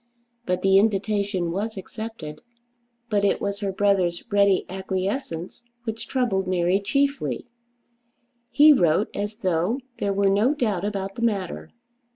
But the invitation was accepted. But it was her brother's ready acquiescence which troubled Mary chiefly. He wrote as though there were no doubt about the matter.